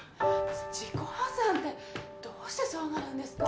自己破産ってどうしてそうなるんですか。